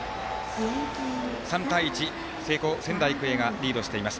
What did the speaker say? ３対１、仙台育英がリードしています。